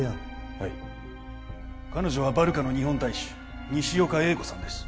はい彼女はバルカの日本大使西岡英子さんです